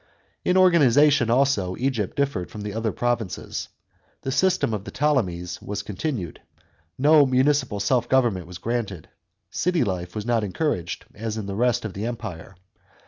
In organisation also Egypt differed from the other provinces. The system of the Ptolemies was continued. No municipal self government was granted ; city life was not encouraged, as in the rest of the empire.